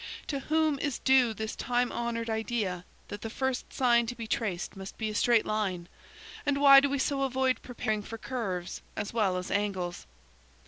To whom is due this time honoured idea that the first sign to be traced must be a straight line? And why do we so avoid preparing for curves as well as angles?